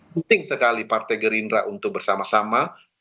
penting sekali partai gerindra untuk bersama sama